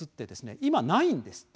今はないんです。